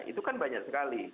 itu kan banyak sekali